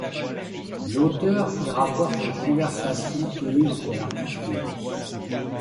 L'auteur y rapporte les conversations tenues entre l'artiste et lui.